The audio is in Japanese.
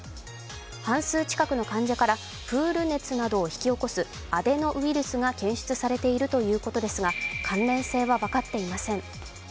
半数近くの患者からプール熱などを引き起こすアデノウイルスが検出されているとのことですが関連性は分かっていません。